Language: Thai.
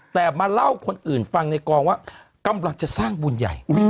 แต่มาเล่าคนอื่นฟังในกองว่ากำลังจะสร้างบุญใหญ่